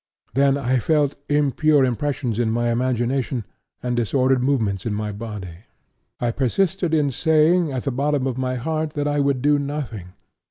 Then I felt impure impressions in my imagination and disordered movements in my body. I persisted in saying at the bottom of my heart that I would do nothing.